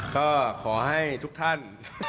ก็ขอให้ทุกท่าน